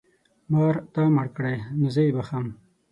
مار تا مړ کړی نو زه یې بښم.